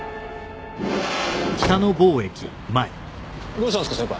どうしたんすか？